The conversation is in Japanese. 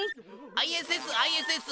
ＩＳＳＩＳＳ